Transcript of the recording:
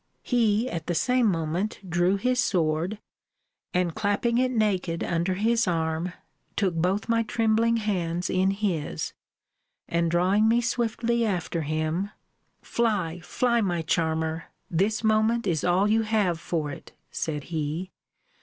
He at the same moment drew his sword, and clapping it naked under his arm, took both my trembling hands in his; and drawing me swiftly after him, Fly, fly, my charmer; this moment is all you have for it, said he.